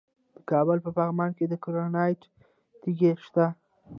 د کابل په پغمان کې د ګرانیټ تیږې شته.